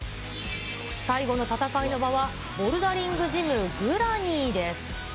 最後の戦いの場は、ボルダリングジムグラニーです。